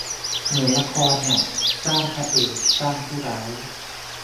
เหมือนละครน่ะ สร้างพระเอก สร้างผู้ร้าย